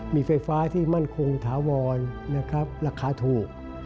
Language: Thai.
มีไฟฟ้าที่มั่นคงถาวรราคาถูก